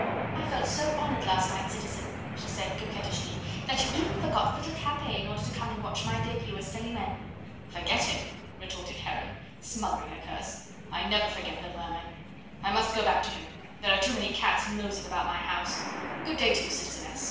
"I felt so honoured last night, citizen," she said coquettishly, "that you even forgot little Capet in order to come and watch my debut as Celimene." "Forget him!" retorted Heron, smothering a curse, "I never forget the vermin. I must go back to him; there are too many cats nosing round my mouse. Good day to you, citizeness.